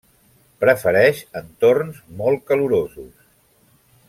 Prefereix entorns molt calorosos.